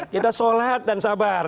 kita sholat dan sabar